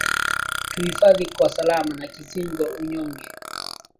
Tuhifadhi kwa salama, na kisingio unyonge,